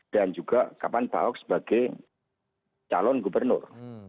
dan juga kapan pak ahok sebagai calon gubernur